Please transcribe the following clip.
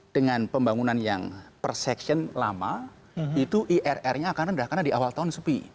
dengan pembangunan yang per seksi lama itu irr nya akan rendah karena di awal tahun sepi